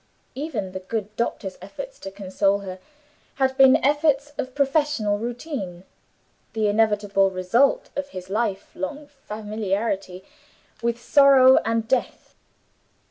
Even the good doctor's efforts to console her had been efforts of professional routine the inevitable result of his life long familiarity with sorrow and death.